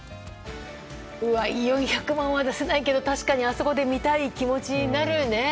４００万は出せないけど確かにあそこで見たい気持ちになるよね。